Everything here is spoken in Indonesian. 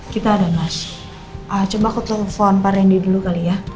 kita ada mas coba aku telepon pak randy dulu kali ya